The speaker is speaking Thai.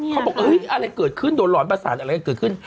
เขาบอกอะไรเกิดขึ้นโดนหลอนประสานอะไรกันเกิดขึ้น